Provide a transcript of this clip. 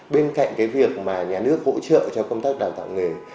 bên cạnh cái việc mà nhà nước hỗ trợ cho công tác đào tạo nghề